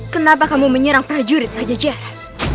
kenapa kamu menyerang prajurit raja jara